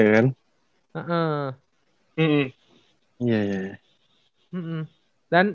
dan waktu itu berarti lo sekarang